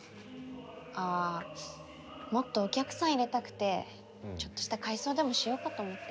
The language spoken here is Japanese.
ああもっとお客さん入れたくてちょっとした改装でもしようかと思って。